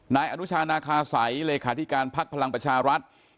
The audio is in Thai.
นายอนุชานาคาสัยเลขาธิการพักพลังประชารัฐ